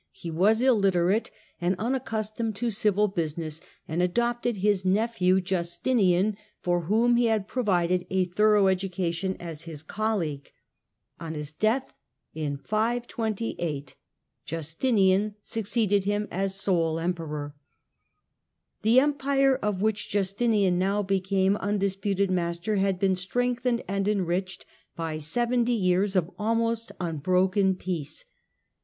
He was il literate and unaccustomed to civil business, and adopted his nephew Justinian, for whom he had provided a thorough education, as his colleague. On his death, in 528, Justinian succeeded as sole Emperor. Accession The Empire of which Justinian now became undid tinlau puted master had been strengthened and enriched by seventy years of almost unbroken peace.